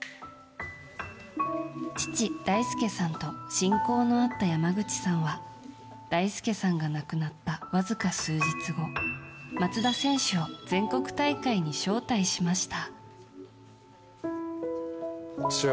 父・大輔さんと親交のあった山口さんは大輔さんが亡くなったわずか数日後松田選手を全国大会に招待しました。